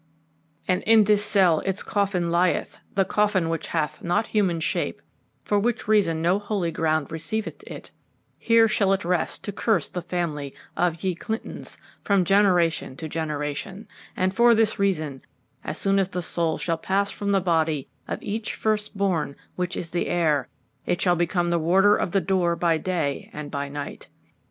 "And in this cell its coffin lieth, the coffin which hath not human shape, for which reason no holy ground receiveth it. Here shall it rest to curse the family of ye Clyntons from generation to generation. And for this reason, as soon as the soul shall pass from the body of each first born, which is the heir, it shall become the warder of the door by day and by night.